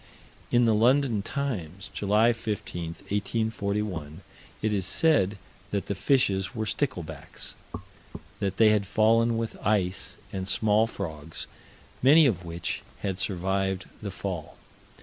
In the London Times, July 15, 1841, it is said that the fishes were sticklebacks; that they had fallen with ice and small frogs, many of which had survived the fall.